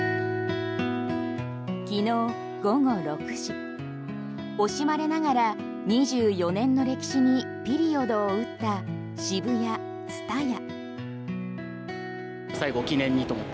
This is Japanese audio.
昨日午後６時、惜しまれながら２４年の歴史にピリオドを打ったＳＨＩＢＵＹＡＴＳＵＴＡＹＡ。